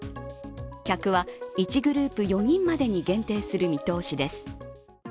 客は１グループ４人までに限定する見通しです。